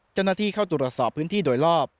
เจ้าหน้าที่เข้าตรวจสอบพื้นที่โดยรอบ